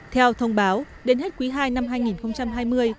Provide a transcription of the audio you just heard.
theo thông báo đến hết quý ii năm hai nghìn hai mươi